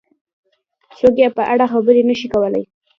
څوک یې په اړه خبرې نه شي کولای.